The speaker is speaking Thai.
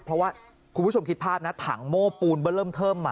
เพราะว่าคุณผู้ชมคิดภาพนะถังโม้ปูนเบอร์เริ่มเทิมมา